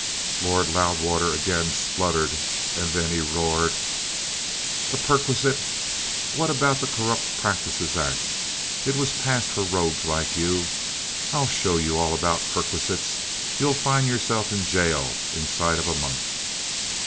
Lord Loudwater again spluttered; then he roared: "A perquisite! What about the Corrupt Practices Act? It was passed for rogues like you! I'll show you all about perquisites! You'll find yourself in gaol inside of a month."